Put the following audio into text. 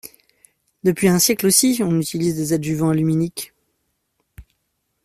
Depuis un siècle aussi, on utilise des adjuvants aluminiques.